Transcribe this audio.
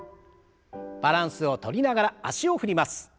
バランスをとりながら脚を振ります。